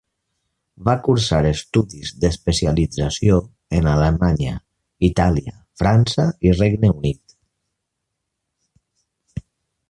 Va cursar estudis d'especialització en Alemanya, Itàlia, França i Regne Unit.